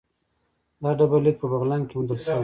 دا ډبرلیک په بغلان کې موندل شوی